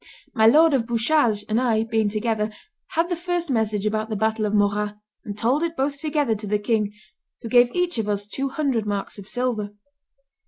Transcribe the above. My lord of Bouchage and I (being together) had the first message about the battle of Morat, and told it both together to the king, who gave each of us two hundred marks of silver."